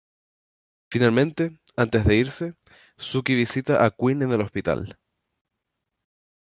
Finalmente, antes de irse, Sookie visita a Quinn en el hospital.